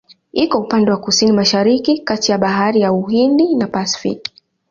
Iko upande wa Kusini-Mashariki kati ya Bahari ya Uhindi na Pasifiki.